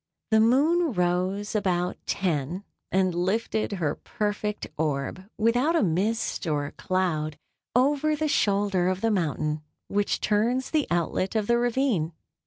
The moon rose about ten, and lifted her perfect orb, without a mist or a cloud, over the shoulder of the mountain which turns the outlet of the ravine.